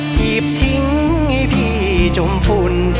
ถีบทิ้งให้พี่จมฝุ่น